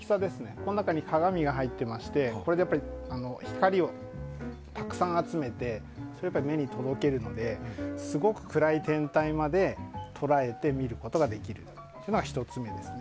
この中に鏡が入っていまして光をたくさん集めて目に届けるのですごく暗い天体まで捉えて見ることができるのが１つ目ですね。